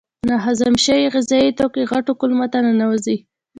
ناهضم شوي غذایي توکي غټو کولمو ته ننوزي.